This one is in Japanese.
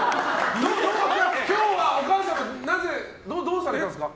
今日はお母様どうされたんですか？